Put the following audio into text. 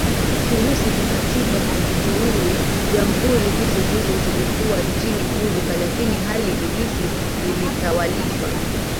Kirusi Kikatiba jamhuri hizo zote zilikuwa nchi huru lakini hali halisi zilitawaliwa